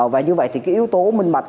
và như vậy thì yếu tố minh mạch